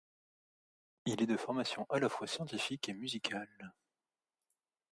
Il est de formation à la fois scientifique et musicale.